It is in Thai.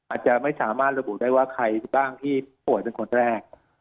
อาจจะไม่สามารถระบุได้ว่าใครบ้างที่ป่วยเป็นคนแรก